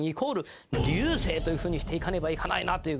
というふうにしていかねばいかないなという。